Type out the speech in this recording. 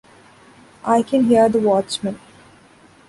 I can hear the watchman.